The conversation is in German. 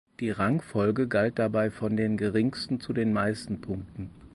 Die Rangfolge galt dabei von den geringsten zu den meisten Punkten.